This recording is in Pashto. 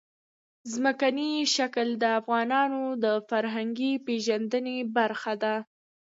ځمکنی شکل د افغانانو د فرهنګي پیژندنې برخه ده.